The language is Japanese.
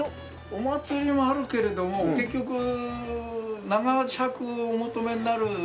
お祭りもあるけれども結局長尺をお求めになるご婦人方は。